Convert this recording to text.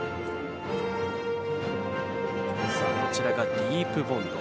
こちらがディープボンド。